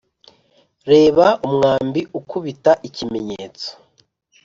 reba umwambi ukubita ikimenyetso;